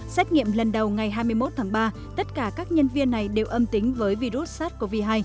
xét nghiệm lần đầu ngày hai mươi một tháng ba tất cả các nhân viên này đều âm tính với virus sars cov hai